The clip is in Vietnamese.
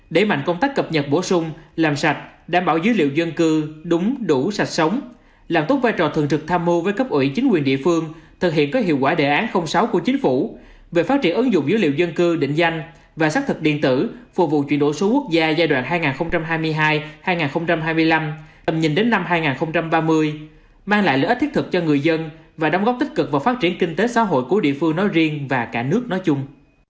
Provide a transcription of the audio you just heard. để mạnh công tác cập nhật bổ sung làm sạch đảm bảo dữ liệu dân cư đúng đủ sạch sống làm tốt vai trò thường trực tham mưu với cấp ủy chính quyền địa phương thực hiện các hiệu quả đề án sáu của chính phủ về phát triển ứng dụng dữ liệu dân cư định danh và xác thực điện tử phù vụ chuyển đổi số quốc gia giai đoạn hai nghìn hai mươi hai hai nghìn hai mươi năm tầm nhìn đến năm hai nghìn ba mươi mang lại lợi ích thiết thực cho người dân và đóng góp tích cực vào phát triển kinh tế xã hội của địa phương nói riêng và cả nước nói chung